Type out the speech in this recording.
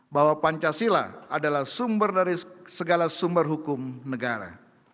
bahwa pancasila adalah sumber dari segala sumber hukum negara